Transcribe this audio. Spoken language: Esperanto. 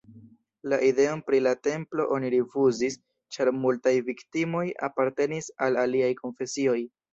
La ideon pri la templo oni rifuzis, ĉar multaj viktimoj apartenis al aliaj konfesioj.